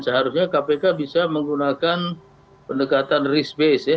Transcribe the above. seharusnya kpk bisa menggunakan pendekatan risk base ya